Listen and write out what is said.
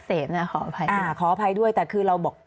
สิ่งที่ประชาชนอยากจะฟัง